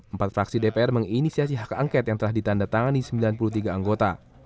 empat fraksi dpr menginisiasi hak angket yang telah ditanda tangani sembilan puluh tiga anggota